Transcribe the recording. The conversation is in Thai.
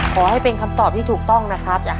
ขอให้เป็นคำตอบที่ถูกต้องนะครับ